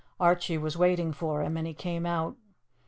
Archie was waiting for him and he came out.